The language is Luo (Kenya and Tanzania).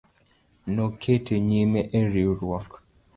Nokete nyime e riwruok